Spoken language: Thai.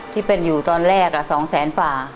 ที่เป็นอยู่ตอนแรก๒แสนกว่า